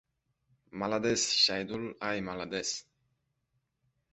— Molodes, Shaydul! Ay molodes!